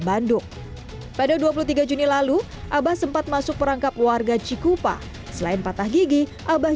bandung pada dua puluh tiga juni lalu abah sempat masuk perangkap warga cikupa selain patah gigi abah